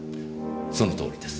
そのとおりです。